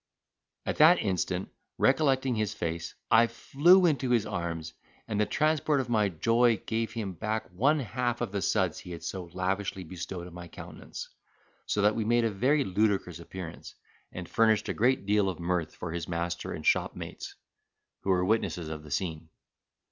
At that instant recollecting his face, I flew into his arms, and in the transport of my joy, gave him back one half of the suds he had so lavishly bestowed on my countenance; so that we made a very ludicrous appearance, and furnished a great deal of mirth for his master and shopmates, who were witnesses of this scene.